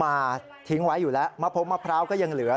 มาทิ้งไว้อยู่แล้วมะพรงมะพร้าวก็ยังเหลือ